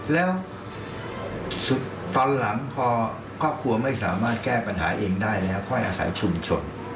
แล้วตอนหลังพอครอบครัวไม่สามารถแก้ปัญหาเองได้แล้วค่อยอาศัยชุมชน